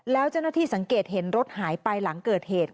แล้วเจ้าหน้าที่สังเกตเห็นรถหายไปหลังเกิดเหตุ